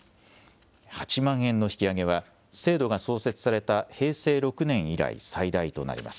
８万円の引き上げは、制度が創設された平成６年以来、最大となります。